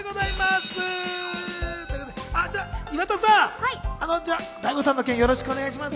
岩田さん、大悟さんの件、よろしくお願いします。